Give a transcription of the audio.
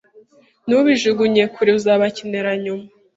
Ntubijugunye kure. Uzabakenera nyuma.